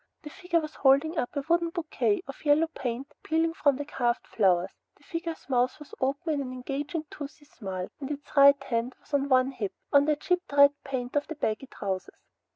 The figure was holding up a wooden bouquet, the yellow paint peeling from the carved flowers. The figure's mouth was open in an engaging toothy smile, and its right hand was on one hip, on the chipped red paint of the baggy trousers.